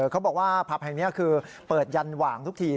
เขาบอกว่าผับแห่งนี้คือเปิดยันหว่างทุกที